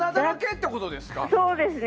そうですね。